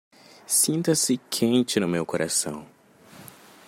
Sinta-se quente no meu coração